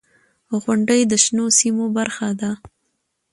• غونډۍ د شنو سیمو برخه ده.